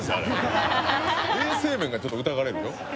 衛生面がちょっと疑われるよ。